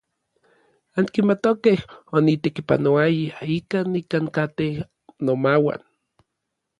Ankimatokej onitekipanouaya ika nikankatej nomauan.